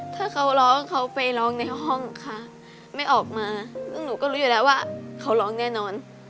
ถ้าเขาร้องเขาไปร้องในห้องค่ะไม่ออกมาซึ่งหนูก็รู้อยู่แล้วว่าเขาร้องแน่นอน